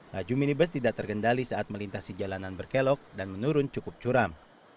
laju minibus tidak terkendali saat melintasi jalanan berkelok dan menurun cukup curam